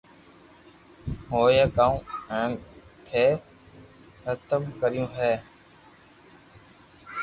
ھوئي گآو ھين ٿي زتم ڪريو ھي